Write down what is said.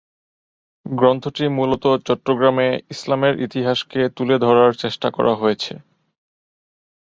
গ্রন্থটি মূলত চট্টগ্রামে ইসলামের ইতিহাসকে তুলে ধরার চেষ্টা করা হয়েছে।